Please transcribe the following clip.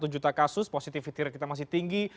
satu juta kasus positifitas kita masih tinggi